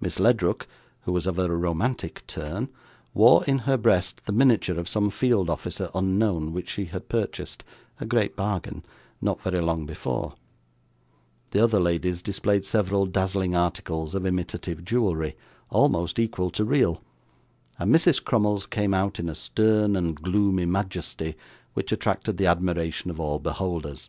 Miss Ledrook, who was of a romantic turn, wore in her breast the miniature of some field officer unknown, which she had purchased, a great bargain, not very long before; the other ladies displayed several dazzling articles of imitative jewellery, almost equal to real, and Mrs Crummles came out in a stern and gloomy majesty, which attracted the admiration of all beholders.